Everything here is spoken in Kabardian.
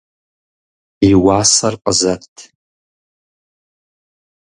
И уасэр къызэт.